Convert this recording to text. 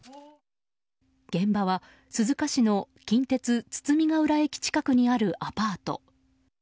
現場は、鈴鹿市の近鉄鼓ヶ浦駅近くにあるアパート。